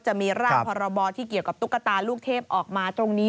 จะมีร่างพรบที่เกี่ยวกับตุ๊กตาลูกเทพออกมาตรงนี้